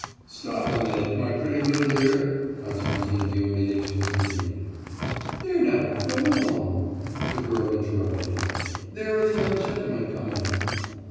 'Stop a minute, my pretty little dear,' Konstantin Diomiditch was beginning. 'There now, go along,' the girl interrupted him, 'there are the young gentlemen coming.